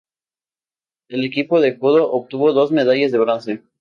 El equipo de judo obtuvo dos medallas de bronce.